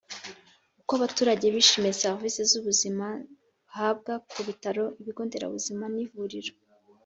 Uko abaturage bishimiye Serivisi z ubuzima bahabwa ku bitaro ibigo nderabuzima n ivuriro